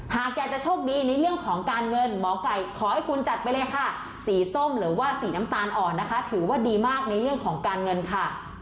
แกจะโชคดีในเรื่องของการเงินหมอไก่ขอให้คุณจัดไปเลยค่ะสีส้มหรือว่าสีน้ำตาลอ่อนนะคะถือว่าดีมากในเรื่องของการเงินค่ะ